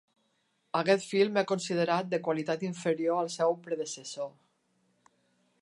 Aquest film és considerat de qualitat inferior al seu predecessor.